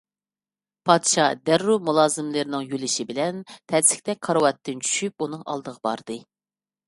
پادىشاھ دەررۇ مۇلازىملىرىنىڭ يۆلىشى بىلەن تەسلىكتە كارىۋاتتىن چۈشۈپ ئۇنىڭ ئالدىغا باردى.